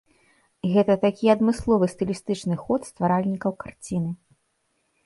Гэта такі адмысловы стылістычны ход стваральнікаў карціны.